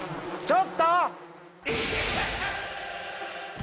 ちょっと！